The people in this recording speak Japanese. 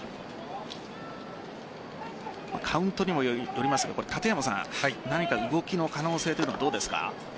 カウントにもよりますが何か動きの可能性はどうですか？